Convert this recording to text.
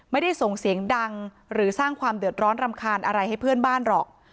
ไม่ได้ส่งเสียงดังหรือสร้างความเดือดร้อนรำคาญอะไรให้เพื่อนบ้านหรอก